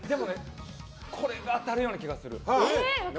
これが当たるような気がする。